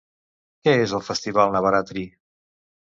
Què és el festival Navaratri?